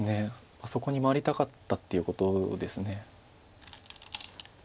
あそこに回りたかったっていうことです。